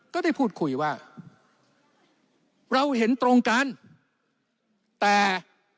ก็ได้พูดคุยว่าเราเห็นตรงกันแต่